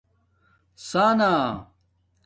ثنݳ